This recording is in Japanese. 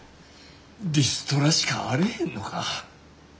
リストラしかあれへんのか。